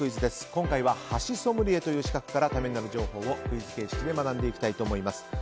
今回は箸ソムリエという資格からためになる情報をクイズ形式で学んでいきます。